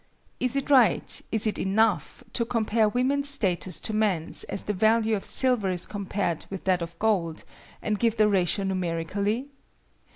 Is it right, is it enough, to compare woman's status to man's as the value of silver is compared with that of gold, and give the ratio numerically?